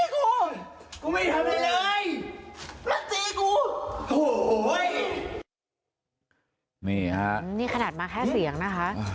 สมัยนี้ขนาดมาแค่เสียงนะค่ะ